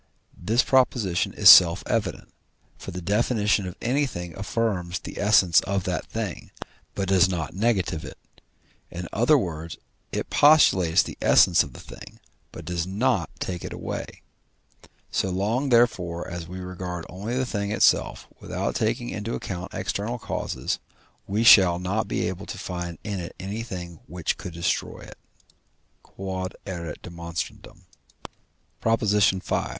This proposition is self evident, for the definition of anything affirms the essence of that thing, but does not negative it; in other words, it postulates the essence of the thing, but does not take it away. So long therefore as we regard only the thing itself, without taking into account external causes, we shall not be able to find in it anything which could destroy it. Q.E.D. PROP. V.